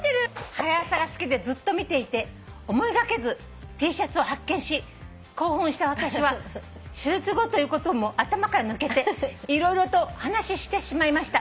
「『はや朝』が好きでずっと見ていて思いがけずＴシャツを発見し興奮した私は手術後ということも頭から抜けて色々とお話ししてしまいました」